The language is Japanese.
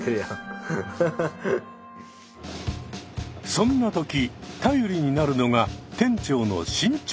そんな時頼りになるのが店長の進捗チェック。